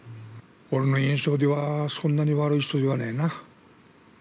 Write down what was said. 俺の印象では、そんなに悪い人ではねぇな。